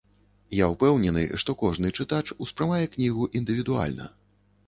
Я ўпэўнены, што кожны чытач успрымае кнігу індывідуальна.